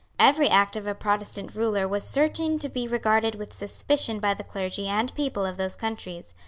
Every act of a Protestant ruler was certain to be regarded with suspicion by the clergy and people of those countries.